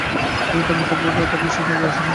তিনি তার মৃত্যুর পর আরও বেশি নজর আসেন।